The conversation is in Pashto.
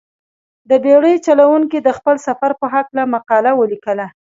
دې بېړۍ چلوونکي د خپل سفر په هلکه مقاله ولیکله.